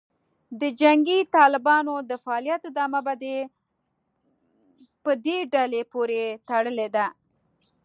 د جنګي طالبانو د فعالیت ادامه په دې ډلې پورې تړلې ده